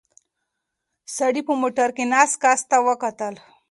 سړي په موټر کې ناست کس ته وکتل.